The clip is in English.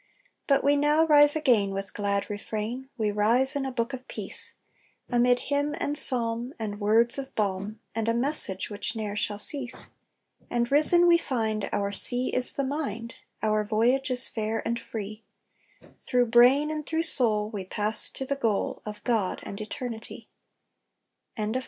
But we now rise again with glad refrain, We rise in a book of peace, Amid hymn and psalm, and words of balm, And a message which ne'er shall cease. And risen we find our sea is the mind, Our voyage is fair and free; Through brain and through soul, we pass to the goal Of God and Eternity. _Marie.